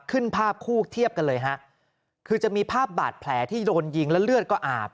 ภาพคู่เทียบกันเลยฮะคือจะมีภาพบาดแผลที่โดนยิงแล้วเลือดก็อาบ